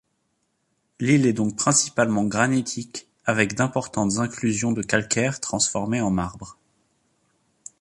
L'île est donc principalement granitique, avec d'importantes inclusions de calcaire transformé en marbre.